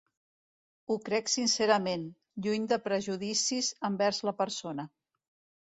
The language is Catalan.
Ho crec sincerament, lluny de prejudicis envers la persona.